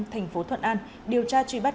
thành phố thuận an điều tra truy bắt